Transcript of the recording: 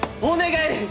お願い！